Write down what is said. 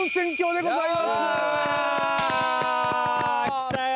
来たよ！